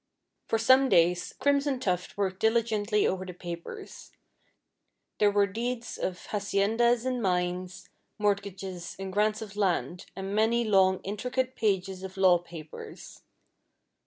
For some days Crimson Tuft worked diligently over the papers. There were deeds of haciendas and mines, mortgages, and grants of land, and many long, intricate pages of law papers.